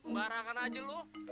barangkan aja lo